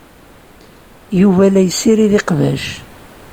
Yuba la yessirid iqbac.